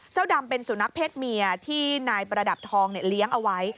ดำเป็นสุนัขเพศเมียที่นายประดับทองเลี้ยงเอาไว้